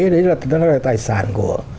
đấy là tài sản của